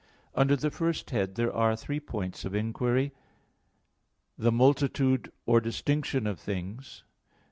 Under the first head, there are three points of inquiry: (1) The multitude or distinction of things.